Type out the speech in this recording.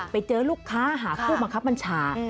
ไปเจอลูกค้าหาคู่มะครับมัญชา